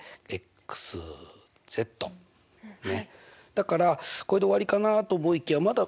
だからこれで終わりかなと思いきやまだ